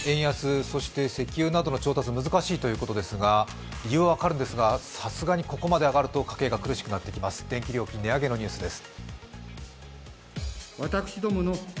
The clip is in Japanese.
そして７位です、円安、そして石油などの到達、難しいということですが理由は分かるんですが、さすがにここまで上がると家計が苦しくなってきます、電気料金値上げのニュースです。